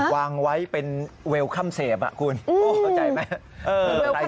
วางไว้เป็นเวลค่ำเสพคุณเข้าใจไหม